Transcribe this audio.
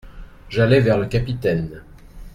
J'allai vers le capitaine.